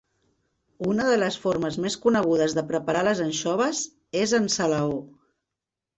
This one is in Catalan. Una de les formes més conegudes de preparar les anxoves és en salaó.